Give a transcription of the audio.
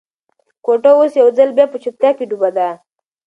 کوټه اوس یو ځل بیا په چوپتیا کې ډوبه ده.